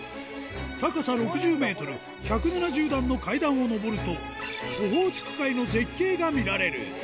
高さ６０メートル、１７０段の階段を上ると、オホーツク海の絶景が見られる。